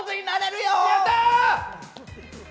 やったー！